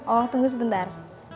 oh tunggu sebentar